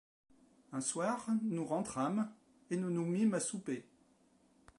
Un soir, nous rentrâmes, et nous nous mîmes à souper.